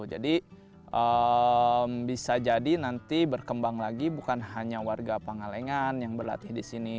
jadi bisa jadi nanti berkembang lagi bukan hanya warga pengalingan yang berlatih di sini